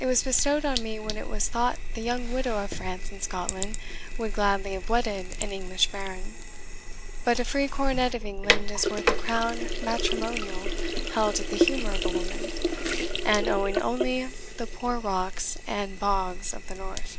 It was bestowed on me when it was thought the young widow of France and Scotland would gladly have wedded an English baron; but a free coronet of England is worth a crown matrimonial held at the humour of a woman, and owning only the poor rocks and bogs of the north."